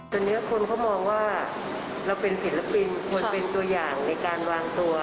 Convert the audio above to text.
ตอนนี้คนเขามองว่าเราเป็นศิลปินควรเป็นตัวอย่างในการวางตัว